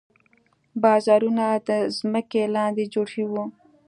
بازارونه د ځمکې لاندې جوړ شوي وو.